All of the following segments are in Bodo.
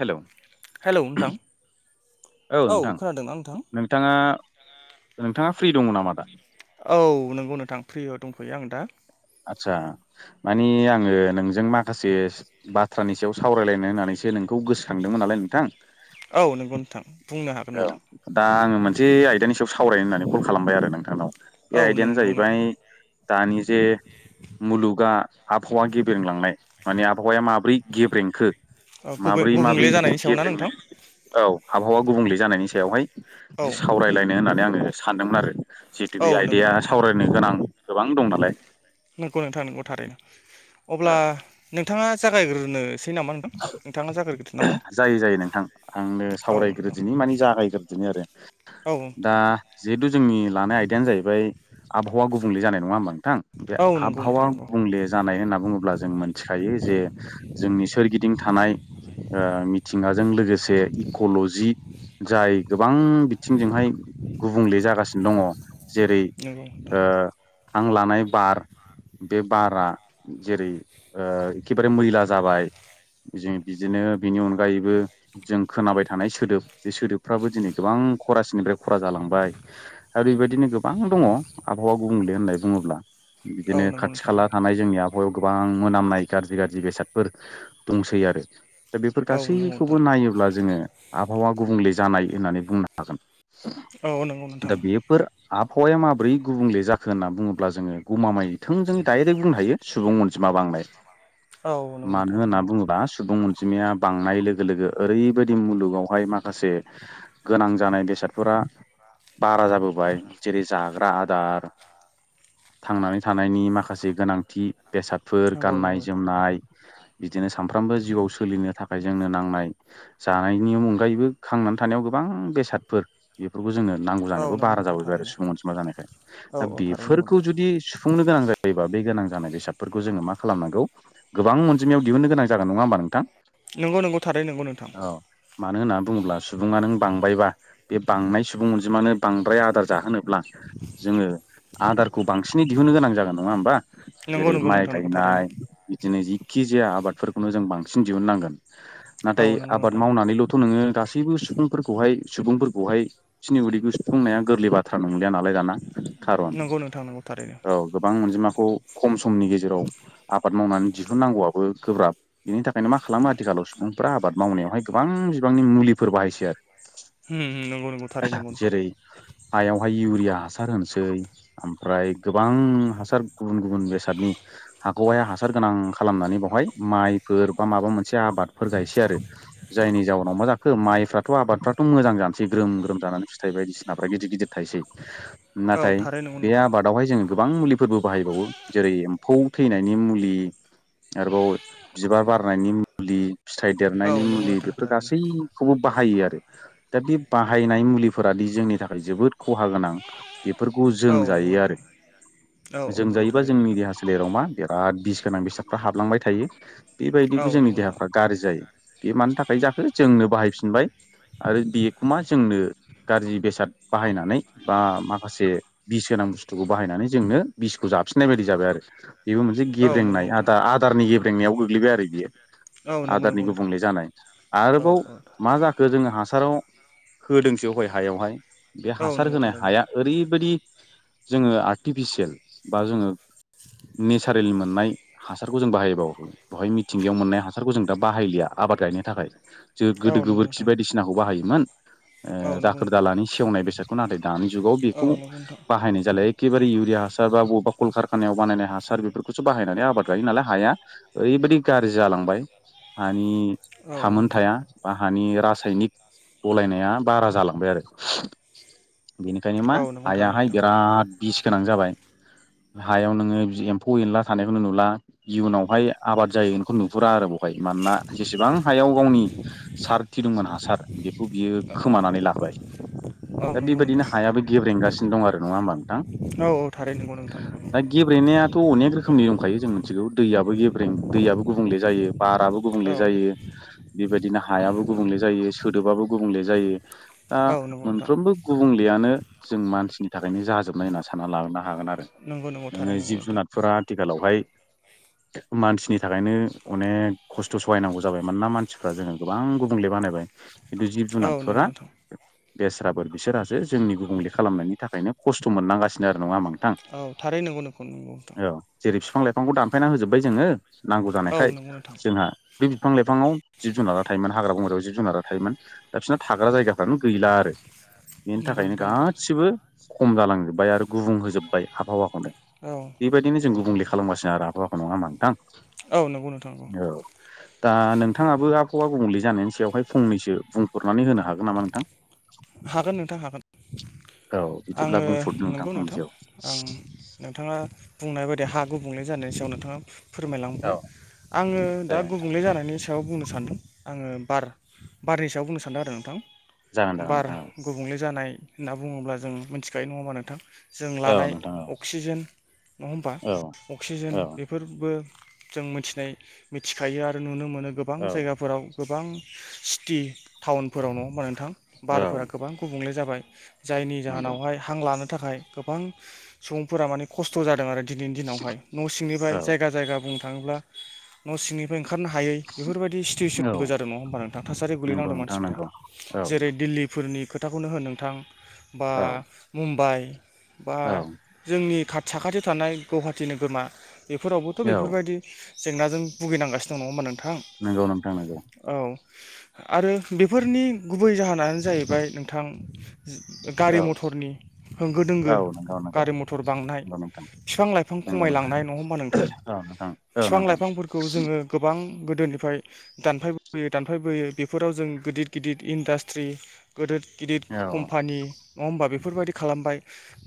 हेल' औ हेलौ नोंथां औ नोंथां खोनादोंना नोंथां? नोंथाङा नोंथाङा फ्रि दङ नामा दा? औ नंगौ नोंथां फ्रियाव दंफैयो आं दा आदसा माने आङो नोंजों माखासे बाथ्रानि सायाव सावरायलायनो होननानै ए नोंखौ गोसोखांदोंमोन नालाय नोंथां औ नोंगौ नोंथां बुंनो हागोन औ नोंथां। दा आङो मोनसे आयदानि सायाव सावरायनो होननानै कल खालामबाय आरो नोंथांनाव बे औ आयदायानो नंगौ नोंथां जाहैबाय दानि जे मुलुगा आबहावा गेबेरलांनाय माने आबहावाया माब्रै गेब्रेंखो औ गुबै माब्रै गुबुंले माब्रै बिदि जानायनि सायाव ना गेब्रेंनो नोंथां औ हाब आबहावा गुबुंले जानायनि सायावहाय औ एसे सावरायलायनो होननानै आङो सानदोंमोन आरो जिहेतु औ बे नंगौ आयदाया नोंथां। सावरायनो गोनां गोबां दं नालाय नंगौ नोंथां नोंगौ थारैनो अब्ला औ नोंथाङा जागायग्रोनोसै मा दं नोंथाङा जाग्रोगोन जायो जायो नोंथां आंनो औ सावरायग्रो नोंथां दिनि माने जागायग्रोदिनि आरो औ दा नोंथां जिहेथु जोंनि लानाय आयदायानो जाहैबाय आबहावा गुबुंले जानाय नङा होमबा नों थां बे औ नंगौ आबहावा नोंथां नंगौ गुबुंले जानाय होनना बुङोब्ला जों मोनथिखायो जे जोंनि सोरगिदि थानाय ओ मिथिंगाजों लोगोसे इक'लजि जाय गोबां बिथिंजोंहाय गुबुंले जागासिनो दङ जेरै नंगौ नोंथां आं लानाय बार बे बारा जेरै एखेबारे मैला जाबाय जों बिदिनो बिनि अनगायैबो जों खोनाबाय थानाय सोदोब बे सोदोबफ्राबो दिनै गोबां खरासेनिफ्राय खर जालांबाय आरो बेबायदिनो गोबां दङ आबहावा गुबुंले होननानै बुङोब्ला औ बिदिनो नंगौ खाथि नोंथां खाला नंगौ थानाय जोंनि आबहावायाव गोबां मोनामनाय गाज्रि गाज्रि बेसादफोर दंसै आरो दा बेफोर औ नंगौ नोंथां गासैखौबो नायोब्ला जोङो आबहावा गुबुंले जानाय होननानै बुंनो हागोन औ नंगौ दा नोंथां। बेफोर आबहावाया माब्रै गुबुंले जाखो होनना बुङोब्ला जोङो गमामाय थों जों डाइरेक्ट बुंनो हायो सुबुंनसे बिमा बांनायाय औ नंथां नोंथां बा सुबुं अनजिम बांनाय लोगो लोगो ओरैबायदि मुलुगावहाय माखासे गोनां जा जानाय बेसादफोरा बारा जाबोबाय जेरै जा ग्रा आदार थांनानै थानायनि माखासे गोनांथि बेसादफोर नंगौ गाननाय नंगौ नोंथां जोमनाय बे बिदिनो सानफ्रोमबो जिउआव सोलिनो थाखाय जोंनो नांनाय जानायनि अनगायैबो खांनानै थानायाव गोबां उ बेसादफोर बेफोर खौ जोंनो नांगौ औ जानायखौ नंगौ बारा नोंथां जाबोबाय आरो थारैनो सुबुं अनजिमा जानायखाय औ दा औ थारैनो नंगौ बेफोरखौ नोंथां जुदि सुफुंनो गोनां जायोबा बे गोनां जानाय बेसादफोरखौ जोङो मा खालाय नांगौ गोबां अनजिमायाव दिहुननोन गोनां जागोन नङा होमबा नोंथां । नंगौ नंगौ थारै नंगौ नोंथां । मानो होनना बुङोब्ला सुबुङा नों बांबायबा बे बांनाय सुबुं अनजिमानो बांद्राय आदार जाहोनो ब्ला जोङो आदारखौ बांसिनै दिहुननो गोनां जागोन नङा होमबा । नंगौ जेरै नंगौ माइ नोंथां नंगौ थारैनो गायनाय बिदिनो जिखि जाया आबादफोरखौनो जों बांसिन दिहुननांगोन । नाथाय औ नंगौ आबाद नोंथां मावनानैलथ' नोङो गासै बो सुबुंफोरखौहाय सुबुंफोरखौहाय बिसिनि उदैखौ सुफुंनाया गोरलै बाथ्रा नंलिया नालाय दाना । खारन नंगौ नोंथां नंगौ थारैनो औ गोबां अनजिमा खौ खम समनि गेजेराव आबाद मावनानै दिहुननांगौआबो गोब्राब बेनि थाखाय ओंखायनो मा खालामो आथिखालाव सुबुंफ्रा आबाद मावनायावहाय गोबां बिबांनि मुलिफोर बाहायसै आरो होम होम नंगौ नंगौ थारै नंगौ । नोंथां जेरै हायावहाय इउरिया हासार होनोसै ओमफ्राय गोबां हासार गुबुन गुबुन बेसादनि हाखौहाया हासार गोनां खालामनानै बाव बेहाय माइफोर बा माबा मोनसे आबाद गायसै आरो जायनि जउनाव मा जाखो माइराथ' आबाद बादफ्राथ' मोजां जानोसैर ग्रोम ग्रोम जानानै फिथाइ बायदिसिनाफ्रा गिदिर गिदिर थायोसै औ नाथाय थारै नंगौ बे नोंथां आबादावहाय जों गोबां मुलिफोरबो बाहायबावो जेरै एम्फौ थैनायनि मुलि आरोबाव बिबार बारनायनि मुलि फिथाइ औ देरनायनि नंगौ मुलि नोंथां बेफोर थारैनो गासैखौबो बाहायो आरो । दा बे बाहायनाय मुलिफोरादि जोंनि थाखाय जोबोद खहा गोनां बेफोरखौ औ जों नंगौ जायो आरो नोंथां औ औ जों नंगौ जायोबा थारै नंगौ जोंनि नोंथां देहा सोलेराव मा देर बिराद बिस गोनां बेसादफ्रा हाबलांबाय थायो औ बेबायदिबो जोंनि नंगौ नोंथां देहाफ्रा गाज्रि जायो । बे मानि थाखाय जाखो जोंनो बाहायफिनबाय आरो बेखौ मा जोंनो गाज्रि बेसाद बाहायनानै बा माखासे बिस गोनां बुस्थुखौ बाहायनानै जोंनो बिसखौ जा फिननाय बायदि जाबाय आरो बेबो मोनसे औ नंगौ गेब्रेंनाय आ नोंथां दारनि गेब्रेंनायाव गोग्लैबाय आरो बियो । औ नंगौ आदारनि नंगौ नोंथां गुबुंले जानाय औ आरोबाव औ मा जाखो जोङो हा साराव होदोंसै हय हायावहाय बे औ हासार नंगौ होनाय थारैनो हाया ओरैबायदि जोङो आर्टिफिसियेल बा जोङो नेसारेल मोननाय हासारखौ जों बाहायबावो बेहाय मिथिंगायाव मोननाय हासारखौ जों दा बाहायलिया आबाद गायनो थाखाय । जो औ गोदो नंगौ गोबोरखि नोंथां बायदिसिनाखौ बाहायोमोन औ ओ नंगौ दाखोर नोंथां दालानि सेवनाय बेसादखौ नाथाय दानि जुगाव औ बेखौ नंगौ नोंथां बाहायनाय जालाय एखेबे इउरिया हासार बबेबा कलकारखानायाव बानायनाय हासार बेफोरखौसो बायनानै आबाद गायो नालाय हाया ओरैबायाददि गाज्रि जालांबाय हानि औ नंगौ थामोन नोंथां थाया बा हानि रास सायनिक गलायनाया बारा जालांबाय आरो । बेनिखायनो मा औ नंगौ थारै हायाहाय नोंथां बिराद बिस गोनां जाबाय । हायाव नोङो बिदि एम्फौ एनला थानायखौनो नुला इयुनावहाय आबाद जायो बेखौ नुहुरा आरो। बेवहाय मानोना जेसेबां हायाव गावनि सारखि दंमोन हासार बेखौ बियो खोमानानै लाबाय । औ दा नंगौ नोंथां बेबायदिनो नंगौ हायाबो थारैनो गेब्रेंगासिनो दं आरो नङा होमबा नोंथां औ औ थारै नंगौ नोंथां नंगौ दा गेब्रेनायाथ' अनेक रोखोमनि दंखायो जों मिथिगौ दैयाबो गेब्रें दैयाबो गुबुंले जायो बाराबो औ गुबुंले जायो बेबाय दिनो हायाबो गुबुंले जायो सोदोबाबो गुबुंले जायो दा औ नंगौ नोंथां मोनफ्रोमबो गुबुं लेयानो जों मानसिनि थाखायनो जाजोबनाय होनना सानना लानो हागोन आरो नंगौ नंगौ । थारै नोङो नंगौ जिब नोंथां जुनारफोरा आथिखालावहाय मानसिनि थाखायनो अनेक खस्थ' सहायनांगौ जाबाय मानोना मानसिफ्रा जोङो गोबां गुबुंले बानायबाय जिब औ नंगौ जुनादफोरा नोंथां बेस रावफोर बिसोरहासो जोंनि गुबुंले खालामनायनि थाखायनो खस्थ' मोननांगासिनो आरो नङा होमबा थां औ थारै नंगौ नंगौ नंगौ नोंथां औ जेरै फिफां लाइफ फांखौ दानफायना होजोब्बाय जोङो नांगौ औौ जानायखाय नंगौ नोंथां जोंहा बे फिफां लाइफाङाव जिब जुनारा थायोमोन हाग्रा बंग्रायाव जिब जुनारा थायोमोन दा बिसोरना थाग्रा जायगाफ्रानो गैला आरो बेनि नंगौ थाखायनो नोंथां नंगौ गासिबो खम जालांजोब्बाय आरो गुबुं होजोब्बाय आबहावा खौनो औ बेबायदिनो नंगौ जों नोंथां गुबुंले नंगौ खालामगासिनो आरो आबहावाखौ नङा होमबा नोंथां? औ नंगौ नोंथां औ दा नोंथाङाबो आबहावा गुबुंले जानायनि सायावहाय फंनैसो बुंहरनानै होनो हागोन नामा नोंथां? हागोन नोंथां हागोन। औ बिदिब्ला आङो बुंफोरदो नंगौ नोंथां फंनैसो आं नोंथाङा बुंनाय बायदि हा गुबुंले जानाय सायाव नोंथाङा औ फोरमायलांबाय आङो दा जायो नोंथां गुबुंले जानायनि स याव बुंनो सानदों आङो बार बारनि सायाव बुंनो सान्दों आरो नोंथां। जागोन जागोन बार नोंथां औ गुबुंले जानाय होनना बुङोब्ला जों मोनथिखायो नङा होमबा नोंथां? जों औ लानाय नोंथां औ अक्सिजेन नङा होमबा अक्सिजेन औ बेफोरबो जों मोनथिनाय मिथिखायो आरो नुनो मोनो गोबां औ जायगाफोराव गोबां सिटि टाउनफोराव नङा होमबा नोंथां औ बारफोरा औ गोबां गुबुंले जाबाय जायनि नंगौ जाहोनावहाय हां लानो थाखाय गोबां सुबुंफोरा माने खस्थ' जादों आरो दिनैनि दिनावहाय न' सिंनिफ्राय औ जायगा जायगा बुंनो थाङोब्ला न' सिंनिफ्राय ओंख खारनो हायै बेफोरबायदि औ सिटुवेसनबो जादों नङा होमबा नोंथां थासारियाव नंगौ गोलैनांदों नोंथां मानसिफोरा नंगौ औ जेरै दैफोरनि खोथाखौनो होन नोंथां बा औ मुम्बाइ बा औ जोंनि खाथ साखाथियाव थानाय गुवाहाटि नोगोरमा बेफोरावबोथ' औ बेफोरबायदि जेंनाजों भुगिनांगासिनो दङ नङा होमबा नों नंगौ नोंथां नोंगो। आरो बेफोरनि गुबै जाहोनानो जाहैबाय नोंथां गारि औ मथरनि होंगो दोंगो औ नंगौ नंगौ गारि मथर बांनाय नंगौ नोंथां फिफां लाइफां नंगौ नोंथां खमायलांनाय नङा होमबा नोंथां? औ नोंथां औ फिफां नोंथां लाइफांफोरखौ जोङो गोबां गोदोनिफ्राय दानफायबोयै दानफायबोयै बेफोराव जों गोदिद गिदिर इन्डास्ट ट्रि गोदोत गिदिर औ कम्फानि नङा होमबा बेफोरबायदि खालामबाय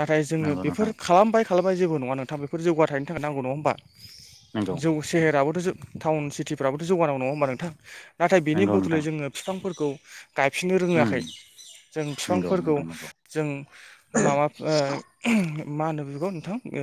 नाथाय जोङो नंगौ नोंथां बेफोर खालामबाय खालामबाय जेबो नङा नोंथां बेफोर जौगाथायनि थाखाय नांगौ नङा होमबा? नंगौ जौ सेहेराबोथ' जो टाउन सिटिफ्राबोथ' जौगा नांगौ नङा होमबा नोंथां? नाथाय बेनि नंगौ बदलै नोंथां जोङो फिफांफोरखौ गायफिननो रोङाखै। उम जों नंगौ फिफांफोरखौ नोंथां नंगौ जों माबाब ओ मा होनो बेफोरखौ नोंथां ओ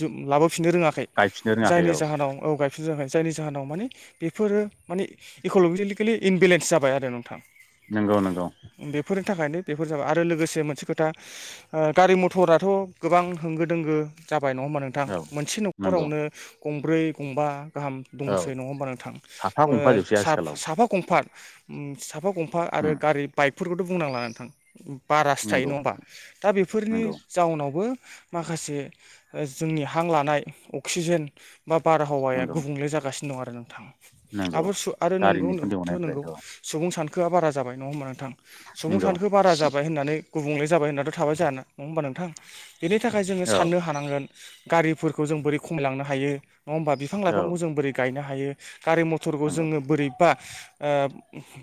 जोम लाबोफिननो रोङाखै गायफिननो रोङाखै जायनि औ जाहोनाव औ गायफिननो रोङाखै। जायनि जाहोनाव माने बेफोरो माने इक'ल'जिकेलि इनबेलेन्स जाबाय आरो नोंथां। नंगौ नंगौ। बेफोरनि थाखायनो बेफोर जाबाय आरो लोगोसे मोनसे खोथा ओ गारि मथराथ' गोबां होंगो दोंगो जाब बाय नङा होमबा नोंथां औ मोनसे नंगौ न'खरावनो गंब्रै गंबा गाहाम औ दंसै नङा होमबा नोंथां साफा ओ गंफाजोबसै साफ आथिखालाव साफा गंफाग उम साफा गं आरो उम गारि बाइकफोरखौथ' बुंनांला नोंथां उम बारासो थायो नंगौ नङा होमबा दा बेफोरनि नंगौ जाउनावबो माखासे ओ जोंनि हां लानाय अक्सिजेन बा बारहावाया नंगौ गुबुंले जागासिनो दं आरो नोंथां। नंगौ आब' सु आरो नोंगौ गारिनि उखुन्दै नोथो गनायनिफ्राय नोंगौ औ सुबुं सानख खोआ बार जाबाय नङा होमबा नोंथां सुबुं नंगौ सानखो बारा जाबाय होननानै गुबुंले जाबाय होननाथ' थाबाय जाया ना नङा होमबा नोंथां बेनि थाखाय जोङो औ साननो हानांगोन गारिफोरखौ जों बोरै खमायलांनो हायो नङा होमबा बिफां औ लाइफांखौ जों बोरै गायनो हायो गारि मथरखौ नंगौ जोङो बोरैबा ओ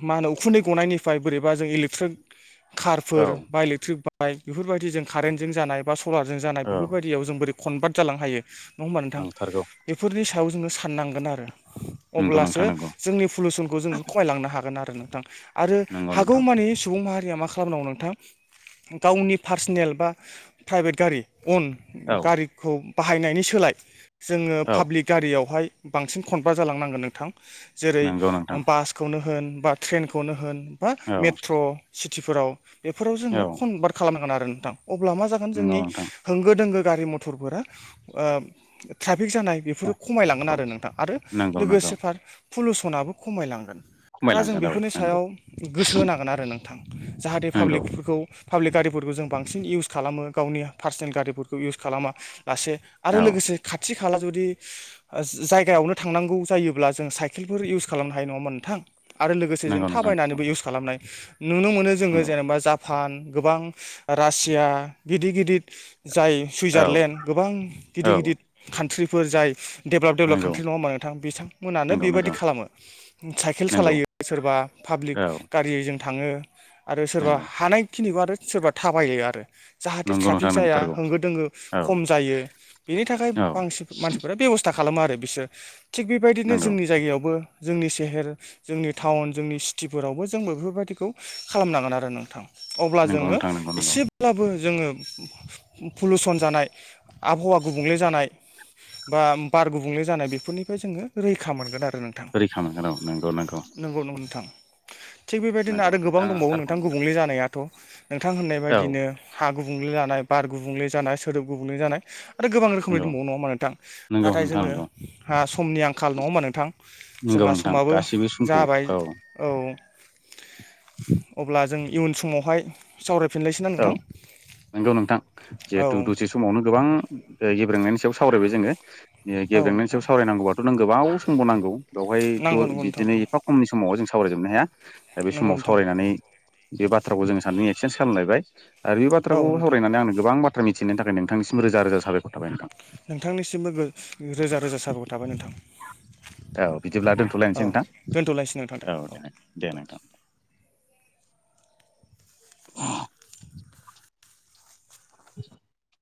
मा होनो उखुन्दै गनायनिफ्राय बोरैबा जों इलेकथ्रोत औ खारफोर बा इलेकथ्रिक बा बाय बेफोरबायदि जों खारेन्टजों जानाय बा सलारजों जानाय औ बेफोरबायदियाव जों बोरै खनभार्ट जालांनो हायो नङा होमबा नोंथां नंथारगौ बेफोरनि सायाव जोङो साननांगोन आरो। नंगौ अब्लासो नोंथां नंगौ जोंनि पुलुसनखौ जों खगायलांनो हागोन आरो नोंथां आरो नंगौ नोंथां हागौमानि सुबुं माहा रिया मा खालामनांगौ नोंथां गावनि पार्सनेल बा प्राइभेट गारि अन औ गारिखौ बाहायनायनि सोलाय जोङो औ पाब्लिक गारियावहाय बांसिन कन्भार्त जालांनांगोन नोंथां जेरै नंगौ नोंथां बासखौनो ओम होन बा ट्रेनखौ खौनो होन बा औ मेट्र' सिटिफोराव बेफोराव औ जोङो कनभार्ट खालामनांगोन आरो नोंथां अब्ला मा जागोन नंगौ जोंनि नोंथां होंगो दोंगो गारि मथरफोरा ओ ट्रा फिक जानाय बेफोरो खमायलांगोन आरो नोंथां आरो नंगौ नंगौ लोगोसे फार पुलुसनाबो खमायलांगोन दा जों खमायलांगोन औ। बेफोरनि नंगौ सायाव गोसो होनांगोन आरो नोंथां जाहाथे नंगौ पाब्लिकफोरखौ पाब्लिक गारिफोरखौ जों बांसिन इउस खालामो गावनि पार्सनेल गारिफोरखौ इउस खालामा। लासे आरो औ लोगोसे खाथि खा खाला जुदि ओ जायगायावनो थांनांगौ जायोब्ला जों साइकेलफोर इउस खालामनो हायो नङा हमबा नोंथां। आरो लोगोसे जों नंगौ नोंथां थाबायनानैबो इउस खालामनाय नुनो मोनो जोङो नंगौ जेनेबा जा पान गोबां रासिया गिदिर गिदिर जाय औ सुइजारलेण्ड गोबां गिदिर औ गिदिर कान्ट्रिफोर जाय डेभेलप डेभेलप नंगौ कान्ट्रि नङा होना नोंथां बिथांमोनानो नंगौ बेबायदि नंगौ खालामो साइकेल नंगौ सालायो सोरबा पाब्लिक औ गारिजों थाङो आरो सोरबा नंगौ हानाय खिनिखौ आरो सोरबा थाबायो आरो। जाहाथे नंगौ ट्राफिक नोंथां जाया नंथारगौ होंगो दोंगो औ खम जायो बेनि थाखाय औ बांसिन मानसिफोरा बेब'स्था खालामो आरो बिसोर थिग बेबायदिनो नंगौ जोंनि जायगायावबो जोंनि सेहेर जोंनि टाउन जोंनि सिटिफोरावबो जोंबो बेफोरबादिखौ खालामनांगोन आरो नोंथां अब्ला नंगौ जोङो नोंथां नंगौ नंगौ एसेब्लाबो जोङो पुलुसन जानाय आबहावा गुबुंले जानाय बा बार गुबुंले जानाय बेफोरनिफ्राय जोङो रैखा मोनगोन आरो। नोंथां रैखा मोनगोन औ नंगौ नंगौ नोंथां थिग बेबायदिनो नंगौ आरो गोबां नोंथाङा दंबावो थारखौनो नोंथां बुंदों गुबुंले जानायाथ' नोंथां होननाय औ बायदिनो हा गुबुंले जानाय बार गुबुंले जानाय सोदोब गुबुंले जानाय आरो गोबां रोखोमनि नंगौ दंबावो नङा हमबा नोंथां नंगौ नाथाय नोंथां जोङो नंगौ आं समनि आंखाल नङा होमबा नोंथां। नोंगौ जोंहा नोंथां समाबो गासिबो। जाबाय औ अब्ला जों इयुन समावहाय सावराय औ नंगौ नोंथां औ जिहेतु दसे समावनो गोबां [inaudible] गेब्रेंनायनि सायाव सावरायबाय जोङो ओ औ गेब्रेंनायनि नोंथां सायाव सावरायनांगौबाथ' नों गोबाव समबो नांगौ। बेवहाय द नांगौ नंगौ नोंथां बिदिनो औ एफा खमनि समाव जों सावरायजोबनो हाया बे नंगौ समाव नोंथां सावरायनानै बे बाथ्राखौ जोङो सानजों एक्सेन्स खालामलायबाय आरो बे औ बाथ्राखौ नोंथां सावरायनानै आंनो गोबां बा थ्रा मिथिहोनायनि थाखाय नोंथांनिसिम रोजा रोजा साबायखर थाबाय नोंथां नोंथांनिसिमबो गो रोजा रोजा साबायखर थाबाय नोंथां औ बिदिब्ला दोन्थ'लायनोसै नोंथां औ दे दे नोंथां। [inaudible] [inaudible] [inaudible]